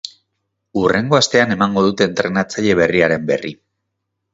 Hurrengo astean emango dute entrenatzaile berriaren berri.